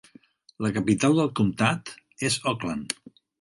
La capital del comtat és Oakland.